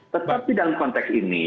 tetapi dalam konteks ini